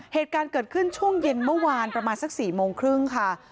เหตุการณ์เกิดขึ้นช่วงเย็นเมื่อวานประมาณสัก๔โมงครึ่งค่ะ